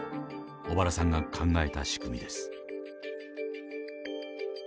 小原さんが考えた仕組みです。